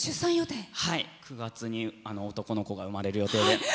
９月に男の子が生まれる予定で。